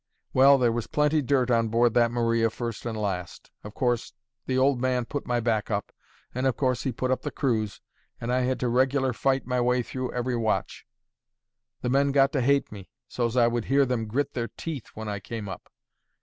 Well, there was plenty dirt on board that Maria first and last. Of course, the old man put my back up, and, of course, he put up the crew's; and I had to regular fight my way through every watch. The men got to hate me, so's I would hear them grit their teeth when I came up.